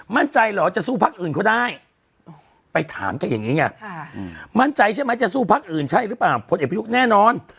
เหรอจะสู้พักอื่นเขาได้ไปถามกันอย่างนี้ไงมั่นใจใช่ไหมจะสู้พักอื่นใช่หรือเปล่าพลเอกประยุทธ์แน่นอน